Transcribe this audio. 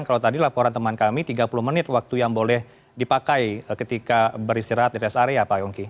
kalau tadi laporan teman kami tiga puluh menit waktu yang boleh dipakai ketika beristirahat di rest area pak yongki